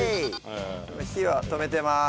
今火は止めてます。